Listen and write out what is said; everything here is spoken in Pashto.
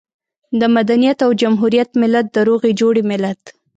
د مدنيت او جمهوريت ملت، د روغې جوړې ملت.